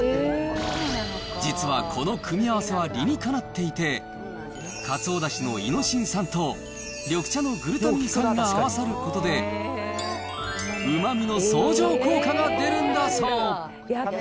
実はこの組み合わせは理にかなっていて、かつおだしのイノシン酸と緑茶のグルタミン酸が合わさることで、うまみの相乗効果が出るんだそう。